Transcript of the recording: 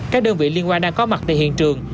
các đơn vị liên quan đang có mặt tại hiện trường